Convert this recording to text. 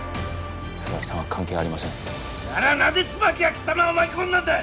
椿さんは関係ありませんならなぜ椿は貴様を巻き込んだんだ！